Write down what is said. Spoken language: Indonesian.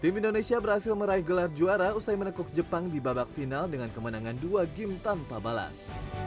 tim indonesia berhasil meraih gelar juara usai menekuk jepang di babak final dengan kemenangan dua game tanpa balas